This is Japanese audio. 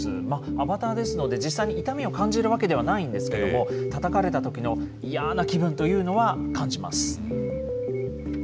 アバターですので、実際に痛みを感じるわけではないんですけれども、たたかれたときの嫌な気分というのは感じます。